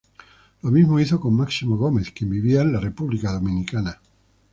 Lo mismo hizo con Máximo Gómez, quien vivía en la República Dominicana.